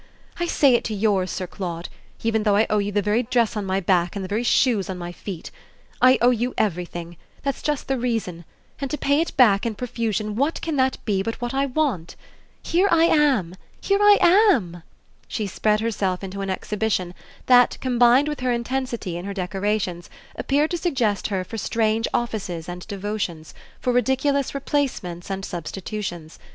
I say it to yours, Sir Claude, even though I owe you the very dress on my back and the very shoes on my feet. I owe you everything that's just the reason; and to pay it back, in profusion, what can that be but what I want? Here I am, here I am!" she spread herself into an exhibition that, combined with her intensity and her decorations, appeared to suggest her for strange offices and devotions, for ridiculous replacements and substitutions.